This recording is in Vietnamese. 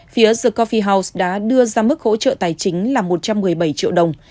phía the cophie house đã đưa ra mức hỗ trợ tài chính là một trăm một mươi bảy triệu đồng